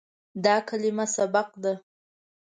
دا کلمه "سبق" ده.